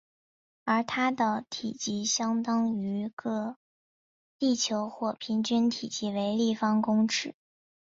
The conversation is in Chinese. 而它的体积相当于个地球或平均体积为立方公尺。